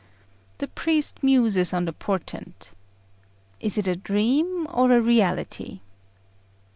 The priest muses on the portent. Is it a dream or a reality?